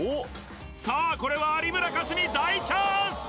さあこれは有村架純大チャンス！